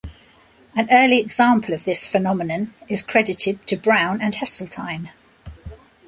An early example of this phenomenon is credited to Brown and Heseltine.